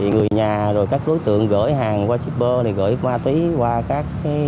người nhà các đối tượng gửi hàng qua shipper gửi ma túy qua các